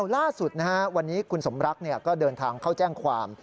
ล่าสุดวันนี้คุณสมรักก็เดินทางเข้าแจ้งความ